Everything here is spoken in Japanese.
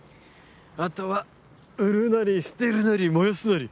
後は売るなり捨てるなり燃やすなり。